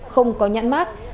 không có nhãn mát